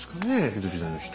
江戸時代の人。